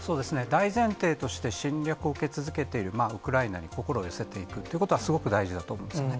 大前提として、侵略を受け続けているウクライナに心を寄せていくということは、すごく大事だと思うんですよね。